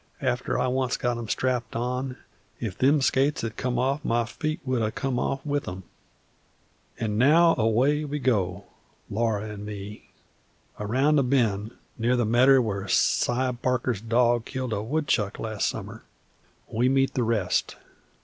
after I once got 'em strapped on, if them skates hed come off, the feet w'u'd ha' come with 'em! An' now away we go, Laura an' me. Around the bend near the medder where Si Barker's dog killed a woodchuck last summer we meet the rest.